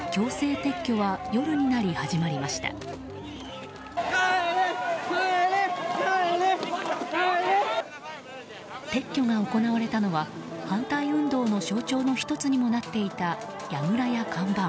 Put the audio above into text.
撤去が行われたのは反対運動の象徴の１つにもなっていたやぐらや看板